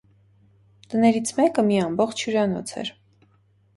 Տներից մեկը մի ամբողջ հյուրանոց էր: